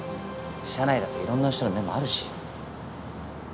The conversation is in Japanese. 社内だといろんな人の目もあるし。